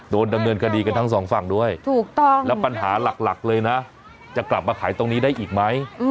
โดนดำเนินคดีกันทั้งสองฝั่งด้วยถูกต้องแล้วปัญหาหลักเลยนะจะกลับมาขายตรงนี้ได้อีกไหม